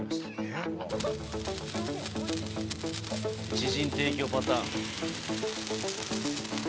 知人提供パターン。